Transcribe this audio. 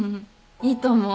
いいと思う。